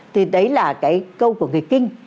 thì đấy là cái câu của người kinh